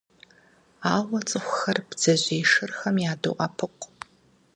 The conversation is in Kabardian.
Ауэ цӀыхухэр бдзэжьей шырхэм ядоӀэпыкъу.